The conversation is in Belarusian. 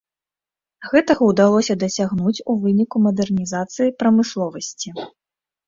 Гэтага ўдалося дасягнуць у выніку мадэрнізацыі прамысловасці.